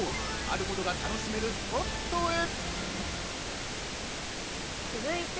あることが楽しめるスポットへ。